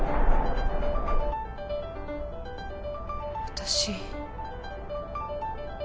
私。